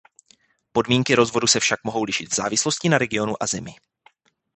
Podmínky rozvodu se však mohou lišit v závislosti na regionu a zemi.